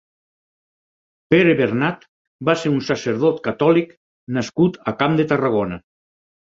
Pere Bernat va ser un sacerdot catòlic nascut a Camp de Tarragona.